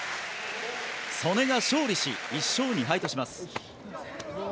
素根が勝利し１勝２敗とします。